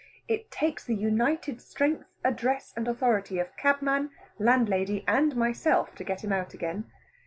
It takes the united strength, address, and authority of cabman, landlady, and myself to get him out again.